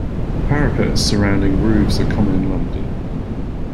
Parapets surrounding roofs are common in London.